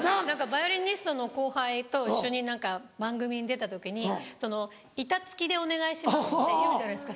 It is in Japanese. バイオリニストの後輩と一緒に番組に出た時に「板付きでお願いします」って言うじゃないですか。